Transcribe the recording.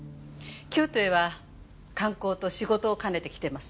京都へは観光と仕事を兼ねて来てます。